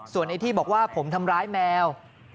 ไอ้ที่บอกว่าผมทำร้ายแมว